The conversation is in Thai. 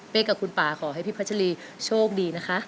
กับคุณป่าขอให้พี่พัชรีโชคดีนะคะ